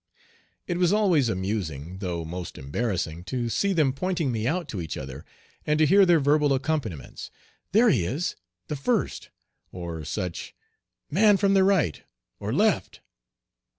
It was always amusing, though most embarrassing, to see them pointing me out to each other, and to hear their verbal accompaniments, "There he is, the first" or such "man from the right" "or left."